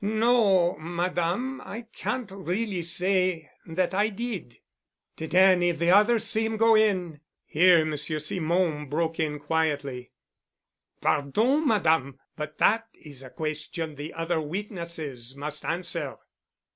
"No, Madame. I can't really say that I did." "Did any of the others see him go in?" Here Monsieur Simon broke in quietly. "Pardon, Madame! But that is a question the other witnesses must answer."